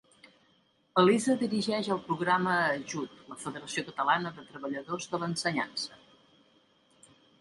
Elisa dirigeix el programa Ajut la Federació Catalana de Treballadors de l’Ensenyança.